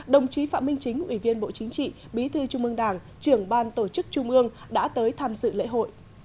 đồng chí phạm minh chính ủy viên bộ chính trị bí thư trung ương đảng trưởng ban tổ chức trung ương đã tới tham dự lễ hội